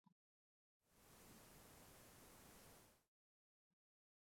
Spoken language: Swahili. juu ya kuchagua nchi itakayokuwa mwenyeji wa